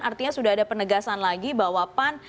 artinya sudah ada penegasan lagi bahwa pan